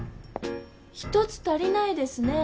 １つ足りないですねぇ